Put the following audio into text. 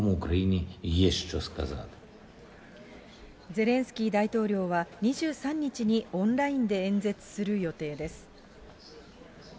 ゼレンスキー大統領は、２３日にオンラインで演説する予定です。